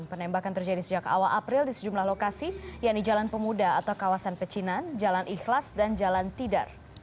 penembakan terjadi sejak awal april di sejumlah lokasi yang di jalan pemuda atau kawasan pecinan jalan ikhlas dan jalan tidar